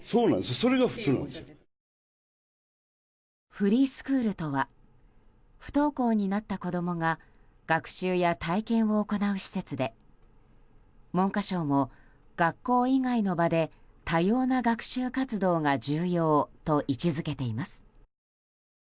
フリースクールとは不登校になった子供が学習や体験を行う施設で文科省も、学校以外の場で多様な学習活動が重要と位置づけています。